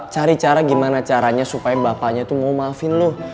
cari cara gimana caranya supaya bapaknya itu mau maafin loh